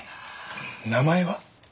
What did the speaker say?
名前は？